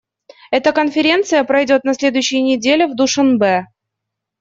Эта Конференция пройдет на следующей неделе в Душанбе.